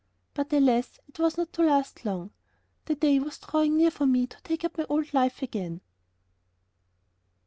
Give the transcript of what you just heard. But, alas! it was not to last long. The day was drawing near for me to take up my old life again.